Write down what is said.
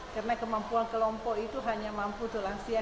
karena kemampuan kelompok itu hanya mampu tuh langsia